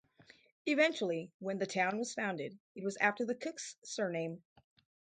Eventually when the town was founded it was after the cook's surname.